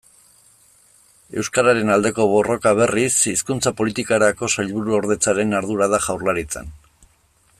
Euskararen aldeko borroka, berriz, Hizkuntza Politikarako Sailburuordetzaren ardura da Jaurlaritzan.